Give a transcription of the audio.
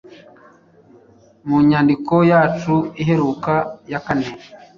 Mu nyandiko yacu iheruka yakane